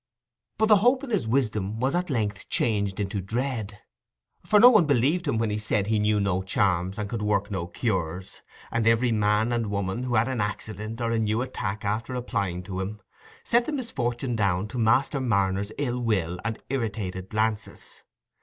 But the hope in his wisdom was at length changed into dread, for no one believed him when he said he knew no charms and could work no cures, and every man and woman who had an accident or a new attack after applying to him, set the misfortune down to Master Marner's ill will and irritated glances.